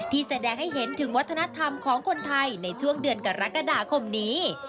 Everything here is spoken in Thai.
แสดงให้เห็นถึงวัฒนธรรมของคนไทยในช่วงเดือนกรกฎาคมนี้